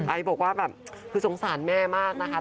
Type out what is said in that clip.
ไอ้บอกว่าคือสงสารแม่มากนะคะ